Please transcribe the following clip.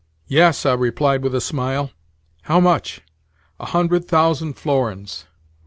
"Yes," I replied with a smile. "How much?" "A hundred thousand florins."